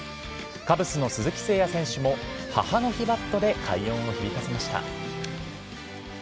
カブスの鈴木誠也選手も、母の日バットで快音を響かせました。